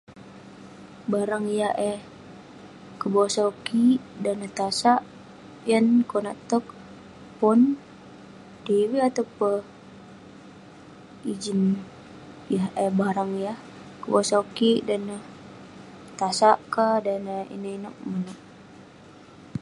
Barang yah eh kebosau kik dan neh tasak, yan neh konak tog pon, tv atau peh ijin. Yah eh barang yah kebosau kik dan neh tasak ka, dan neh inouk inouk.